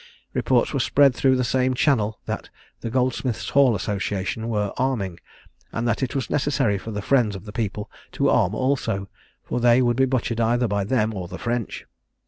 Reports were spread through the same channel that the Goldsmiths' Hall Association were arming, and that it was necessary for the friends of the people to arm also, for they would be butchered either by them or the French.